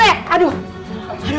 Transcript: aduh aduh pak rt